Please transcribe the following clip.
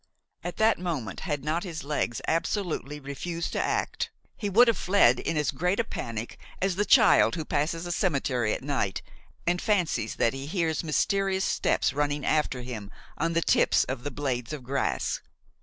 At that moment, had not his legs absolutely refused to act, he would have fled in as great a panic as the child who passes a cemetery at night and fancies that he hears mysterious steps running after him on the tips of the blades of grass.